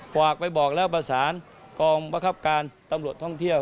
ฝากไปบอกแล้วประสานกองประคับการตำรวจท่องเที่ยว